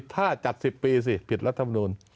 ถ้าจัด๑๐ปีสิผิดรัฐมนูล